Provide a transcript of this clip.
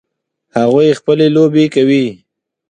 هغوی خپلې لوبې کوي